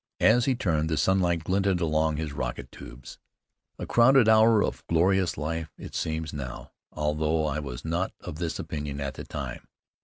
As he turned, the sunlight glinted along his rocket tubes. A crowded hour of glorious life it seems now, although I was not of this opinion at the time.